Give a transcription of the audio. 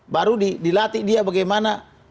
baru dilatih dia bagaimana